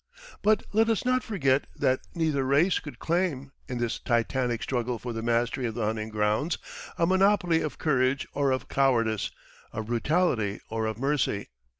But let us not forget that neither race could claim, in this titanic struggle for the mastery of the hunting grounds, a monopoly of courage or of cowardice, of brutality or of mercy.